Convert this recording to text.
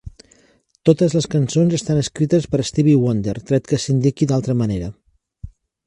Totes les cançons estan escrites per Stevie Wonder, tret que s'indiqui d'altre manera.